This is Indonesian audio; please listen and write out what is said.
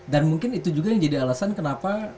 dan mungkin itu juga yang jadi alasan kenapa